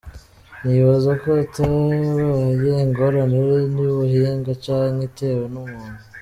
Nibaza ko hatabaye ingorane y’ubuhinga canke itewe n’umuntu”.